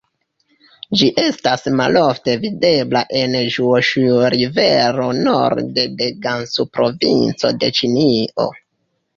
Ĝi estas malofte videbla en Ĵŭoŝuj-rivero norde de Gansu-provinco de Ĉinio.